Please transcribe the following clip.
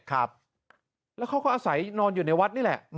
ครับแล้วเขาก็อาศัยนอนอยู่ในวัดนี่แหละ